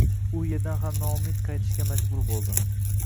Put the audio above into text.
U erdan ham noumid qaytishga majbur bo`ldi